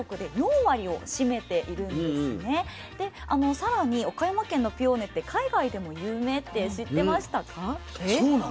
でさらに岡山県のピオーネって海外でも有名って知ってましたか？